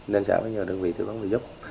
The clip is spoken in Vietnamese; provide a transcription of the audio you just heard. nên xã phải nhờ đơn vị thư vấn về giúp